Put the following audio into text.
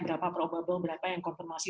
berapa probable berapa yang konfirmasi